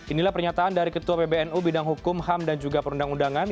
inilah pernyataan dari ketua pbnu bidang hukum ham dan juga perundang undangan